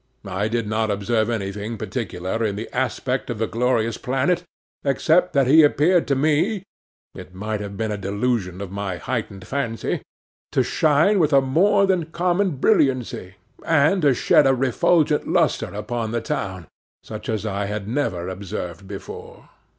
I did not observe anything particular in the aspect of the glorious planet, except that he appeared to me (it might have been a delusion of my heightened fancy) to shine with more than common brilliancy, and to shed a refulgent lustre upon the town, such as I had never observed before.